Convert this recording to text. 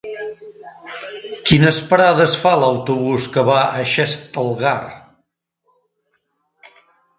Quines parades fa l'autobús que va a Xestalgar?